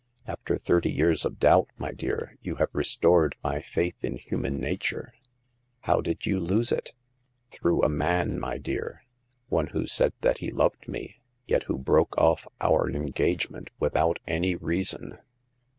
After thirty years of doubt, my dear, you have restored my faith in human nature." How did you lose it ?"" Through a man, my dear ; one who said that he loved me, yet who broke off our engagement without any reason."